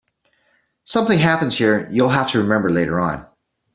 Something happens here you'll have to remember later on.